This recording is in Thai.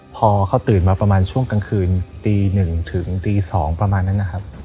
พอเขาตื่นมาประมาณช่วงกลางคืนตี๑ถึงตี๒ประมาณนั้นนะครับ